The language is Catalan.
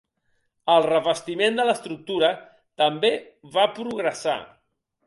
El revestiment de l'estructura també va progressar.